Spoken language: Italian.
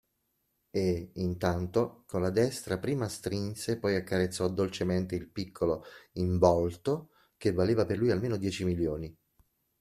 E, intanto, con la destra prima strinse poi accarezzò dolcemente il piccolo involto che valeva per lui almeno dieci milioni.